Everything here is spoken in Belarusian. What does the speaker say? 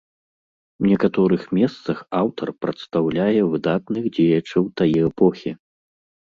У некаторых месцах аўтар прадстаўляе выдатных дзеячаў тае эпохі.